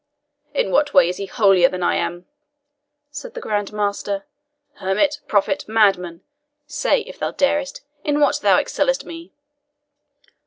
"In what is he holier than I am?" said the Grand Master. "Hermit, prophet, madman say, if thou darest, in what thou excellest me?"